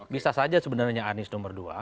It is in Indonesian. bisa saja sebenarnya anies nomor dua